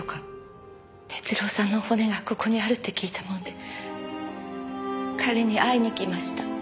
徹郎さんの骨がここにあるって聞いたもんで彼に会いに来ました。